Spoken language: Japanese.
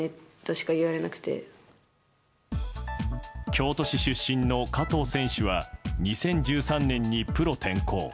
京都市出身の加藤選手は２０１３年にプロ転向。